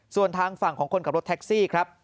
ส่วนทางฝั่งของคนขับรถแท็กซี่ครับ